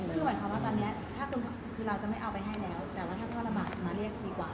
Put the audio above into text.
คือหมายความว่าตอนนี้ถ้าคือเราจะไม่เอาไปให้แล้วแต่ว่าถ้าพ่อลำบากมาเรียกดีกว่า